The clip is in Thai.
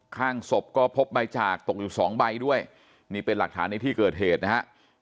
ข้างศพก็พบใบจากตกอยู่สองใบด้วยนี่เป็นหลักฐานในที่เกิดเหตุนะฮะ